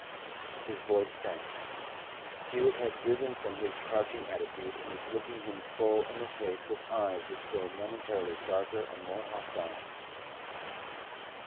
His voice sank. Hewett had risen from his crouching attitude, and was looking him full in the face with eyes which grew momentarily darker and more hostile.